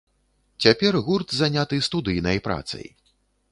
Цяпер гурт заняты студыйнай працай.